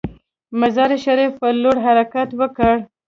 مزار شریف پر لور حرکت وکړ.